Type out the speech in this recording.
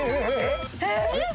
えっ！？